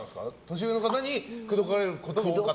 年上の方に口説かれることが多かった？